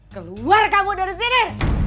keluar kamu dari sini